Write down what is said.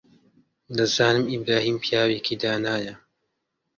دەزانم ئیبراهیم پیاوێکی دانایە.